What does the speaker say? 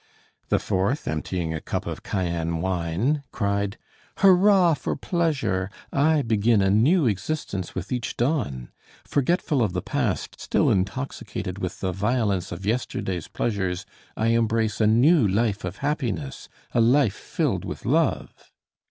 The fourth, emptying a cup of Chian wine, cried: "Hurrah, for pleasure! I begin a new existence with each dawn. Forgetful of the past, still intoxicated with the violence of yesterday's pleasures, I embrace a new life of happiness, a life filled with love."